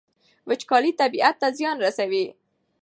وچکالي طبیعت ته زیان رسوي.